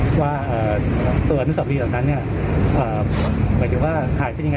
ตัวอันนางน้าตำนานนี้หมายถึงว่าหายไปยังไง